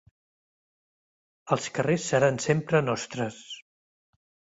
Els carrers seran sempre nostres